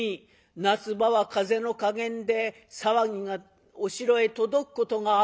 夏場は風の加減で騒ぎがお城へ届くことがある。